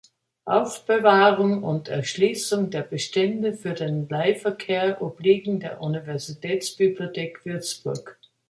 Aufbewahrung und Erschließung der Bestände für den Leihverkehr obliegen der Universitätsbibliothek Würzburg.